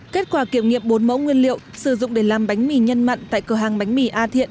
kết quả kiểm nghiệm bốn mẫu nguyên liệu sử dụng để làm bánh mì nhân mặn tại cửa hàng bánh mì a thiện